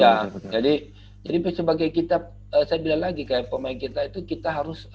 iya jadi jadi sebagai kita saya bilang lagi kayak pemain kita itu kita harus